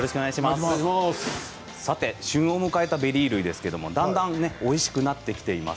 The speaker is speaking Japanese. さて旬を迎えたベリー類だんだんおいしくなってきています。